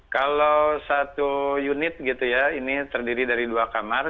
kalau satu unit ini terdiri dari dua kamar